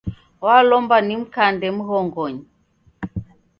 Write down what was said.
Walomba nimkande mghongonyi